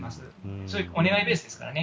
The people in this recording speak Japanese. それ、お願いベースですからね。